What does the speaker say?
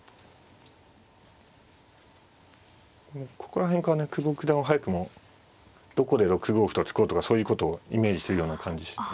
ここら辺からね久保九段は早くもどこで６五歩と突こうとかそういうことをイメージしてるような感じしますねもう。